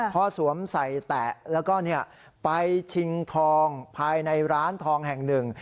พอสวมใส่แตะแล้วก็ไปชิงทองภายในร้านทองแห่งหนึ่ง